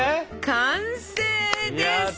完成です！